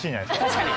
確かに！